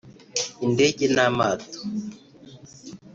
indege n’amato